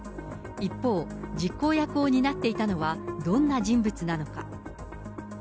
一方、実行役を担っていたのは、どんな人物なのか。